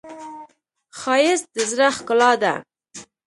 ښایست د زړه ښکلا ده